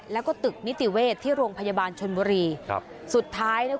แล้วก็ตึกนิติเวศที่โรงพยาบาลชนบุรีครับสุดท้ายเนี่ย